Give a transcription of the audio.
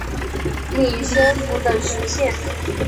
领宣府等十县。